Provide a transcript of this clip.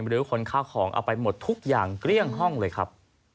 หรือคนข้าวของเอาไปหมดทุกอย่างเกลี้ยงห้องเลยครับ